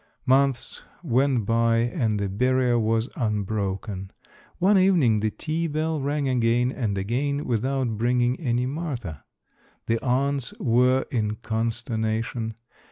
Months went by and the barrier was unbroken. One evening the tea bell rang again and again without bringing any Martha. The aunts were in consternation.